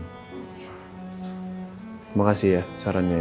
terima kasih ya sarannya ya